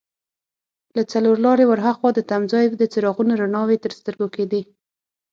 له څلور لارې ور هاخوا د تمځای د څراغونو رڼاوې تر سترګو کېدې.